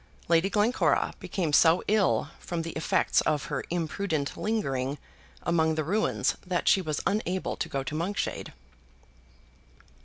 Lady Glencora became so ill from the effects of her imprudent lingering among the ruins that she was unable to go to Monkshade.